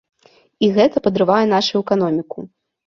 І гэта падрывае нашу эканоміку.